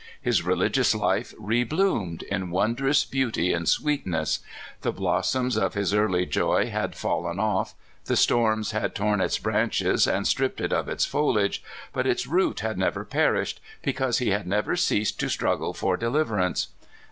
His religious life rebloomed in wondrous beauty and sweetness. The blossoms of his early joy had fallen off, the storms had torn its branches and stripped it of its foliage, but its root had never perished, because he had never ceased to struggle for deliverance.